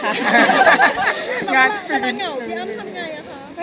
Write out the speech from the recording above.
เวลาเหงาเพดไค่ทำไงว่ะคะ